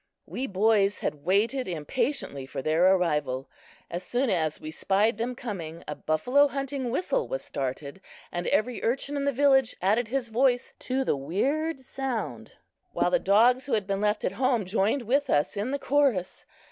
We boys had waited impatiently for their arrival. As soon as we spied them coming a buffalo hunting whistle was started, and every urchin in the village added his voice to the weird sound, while the dogs who had been left at home joined with us in the chorus.